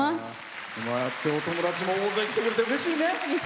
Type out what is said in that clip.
お友達も大勢来てくれてうれしいね。